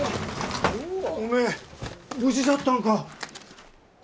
おめえ無事じゃったんか。